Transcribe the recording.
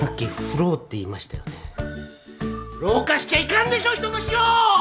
フロー化しちゃいかんでしょ人の死を！